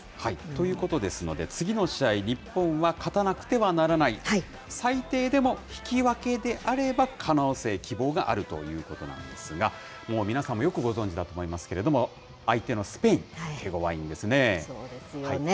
ということですので、次の試合、日本は勝たなくてはならない、最低でも引き分けであれば可能性、希望があるということなんですが、もう皆さんもよくご存じだと思いますけれども、相手のスペイン、そうですよね。